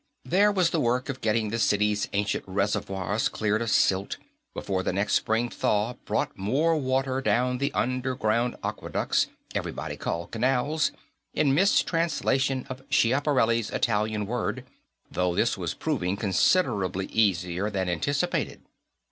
There was the work of getting the city's ancient reservoirs cleared of silt before the next spring thaw brought more water down the underground aqueducts everybody called canals in mistranslation of Schiaparelli's Italian word, though this was proving considerably easier than anticipated.